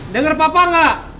dengar papa gak